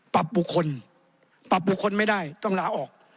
บุคคลปรับบุคคลไม่ได้ต้องลาออก